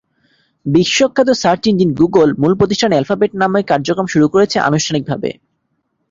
বিশ্বখ্যাত search engine Google মূল প্রতিষ্ঠান অ্যালফাবেট নামে কার্যক্রম শুরু করেছে আনুষ্ঠানিকভাবে।